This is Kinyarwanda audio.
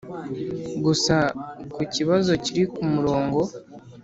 Gusa ku kibazo kiri ku murongo